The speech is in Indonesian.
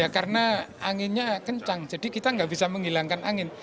karena anginnya kencang jadi kita enggak bisa menghilangkan angin